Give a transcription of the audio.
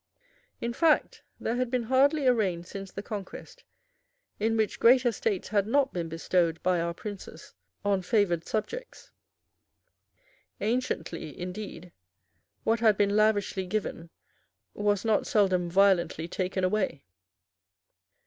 In fact, there had been hardly a reign since the Conquest, in which great estates had not been bestowed by our princes on favoured subjects. Anciently, indeed, what had been lavishly given was not seldom violently taken away.